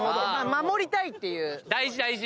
守りたいっていう。